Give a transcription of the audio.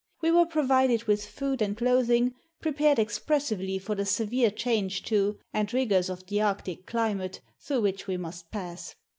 We were provided with food and clothing prepared expressly for the severe change to and rigors of the Arctic climate through which we must pass.